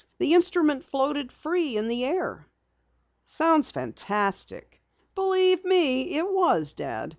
The instrument floated free in the air." "Sounds fantastic." "Believe me, it was, Dad.